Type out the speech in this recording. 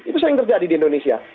itu sering terjadi di indonesia